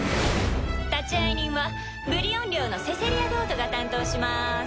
立会人はブリオン寮のセセリア・ドートが担当します。